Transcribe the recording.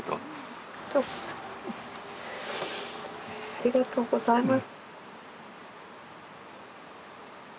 ありがとうございます。